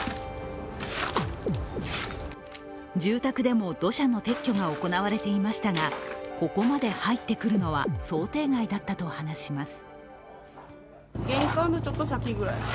住宅でも土砂の撤去が行われていましたがここまで入ってくるのは想定外だったと話します。